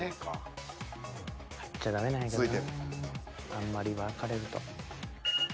あんまり分かれると。